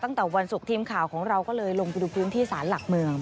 ตั้งแต่วันศุกร์ทีมข่าวของเราก็เลยลงไปดูพื้นที่สารหลักเมือง